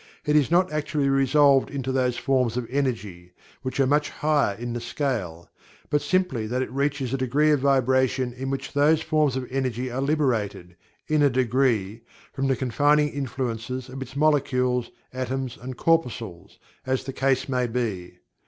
it is not actually "resolved" into those forms of energy (which are much higher in the scale), but simply that it reaches a degree of vibration in which those forms of energy are liberated, in a degree, from the confining influences of its molecules, atoms and corpuscles, as the case may be.